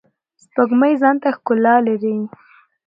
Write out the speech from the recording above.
سپوږمۍ ځانته ښکلا لری.